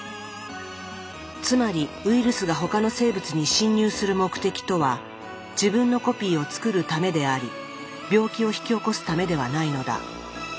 つまりウイルスが他の生物に侵入する目的とは自分のコピーをつくるためであり病気を引き起こすためではないのだ。